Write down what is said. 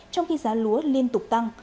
trong khi giá lúa liên tục tăng